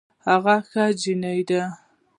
هغه ښه جينۍ ده